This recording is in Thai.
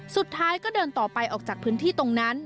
สุดท้ายก็เดินต่อไปออกจากพื้นที่ตรงนั้น